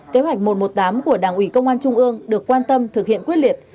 kế hoạch một trăm một mươi tám của đảng ủy công an trung ương được quan tâm thực hiện quyết liệt